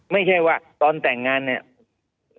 ไม่ใช่ว่าตอนแต่งงานเนี่ย